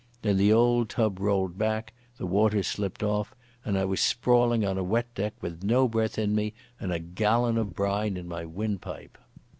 Then the old tub rolled back, the waters slipped off, and I was sprawling on a wet deck with no breath in me and a gallon of brine in my windpipe.